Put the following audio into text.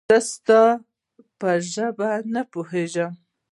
زه ستا په ژبه نه پوهېږم